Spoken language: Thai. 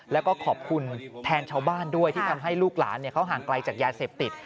แล้วก็ขอบคุณแทนชาวบ้านด้วยที่ทำให้ลูกหลานเขาห่างไกลจากยาเสพติด